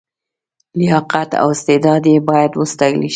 لیاقت او استعداد یې باید وستایل شي.